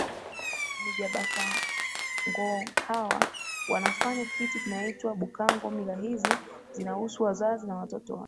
MijaBhakangohawa wanafanya kitu kinaitwa bhukango Mila hizi zinahusu wazazi na watoto wa